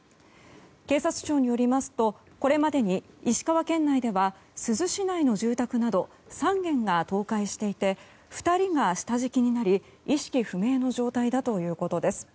警察庁によりますとこれまでに石川県内では珠洲市内の住宅など３軒が倒壊していて２人が下敷きになり意識不明の状態だということです。